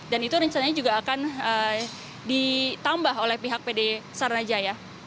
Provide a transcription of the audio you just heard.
dan itu rencananya juga akan ditambah oleh pihak pd saranajaya